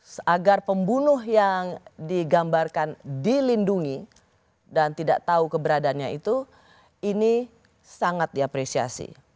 seagar pembunuh yang digambarkan dilindungi dan tidak tahu keberadaannya itu ini sangat diapresiasi